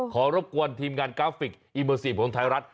รบกวนทีมงานกราฟิกอีเมอร์ซีฟของไทยรัฐ